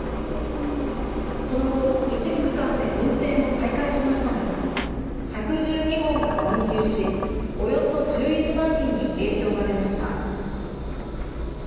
その後、一部区間で運転を再開しましたが１１２本が運休しおよそ１１万人に影響が出ました。